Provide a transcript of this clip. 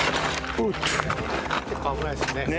結構危ないですね。